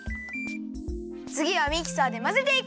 つぎはミキサーでまぜていこう！